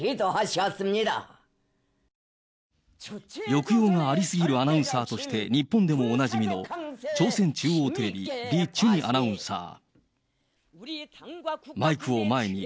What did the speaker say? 抑揚がありすぎるアナウンサーとして日本でもおなじみの、朝鮮中央テレビ、リ・チュニアナウンサー。